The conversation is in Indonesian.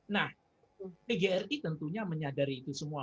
nah pgri tentunya menyadari itu semua